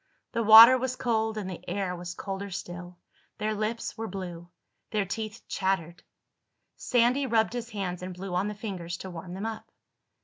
The water was cold and the air was colder still. Their lips were blue. Their teeth chattered. Sandy rubbed his hands and blew on the fingers to warm them up.